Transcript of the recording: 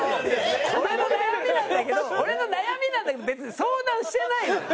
俺の悩みなんだけど俺の悩みなんだけど別に相談してないのよ。